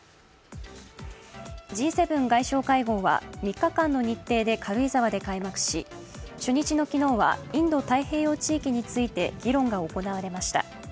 Ｇ７外相会合は３日間の日程で軽井沢で開幕し初日の昨日はインド太平洋地域について議論が行われました。